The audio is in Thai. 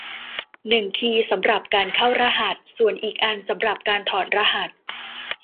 หนึ่งคีย์สำหรับการเข้ารหัสส่วนอีกอันสำหรับการถอดรหัส